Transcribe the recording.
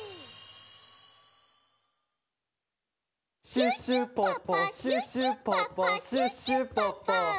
シュッシュポッポシュッシュポッポシュッシュポッポ。